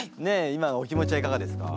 今のお気持ちはいかがですか？